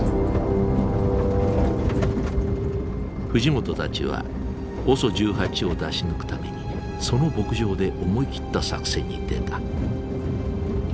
藤本たちはＯＳＯ１８を出し抜くためにその牧場で思い切った作戦に出た。